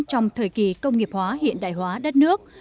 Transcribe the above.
trong thời kỳ công nghiệp hóa hiện đại hóa đất nước